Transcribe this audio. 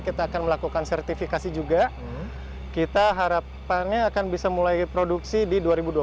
kita akan melakukan sertifikasi juga kita harapannya akan bisa mulai produksi di dua ribu dua puluh